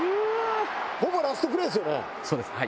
ほぼラストプレーですよね？